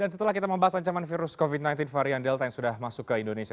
setelah kita membahas ancaman virus covid sembilan belas varian delta yang sudah masuk ke indonesia